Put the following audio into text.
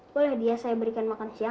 boleh dia saya berikan